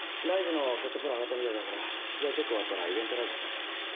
ライブのセットプラン上がったみたいだから機材チェック終わったらイベントライズ行ってきて。